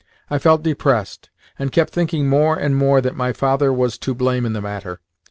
I felt depressed, and kept thinking more and more that my father was to blame in the matter.